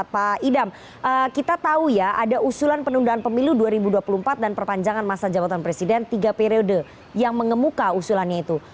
pak idam kita tahu ya ada usulan penundaan pemilu dua ribu dua puluh empat dan perpanjangan masa jabatan presiden tiga periode yang mengemuka usulannya itu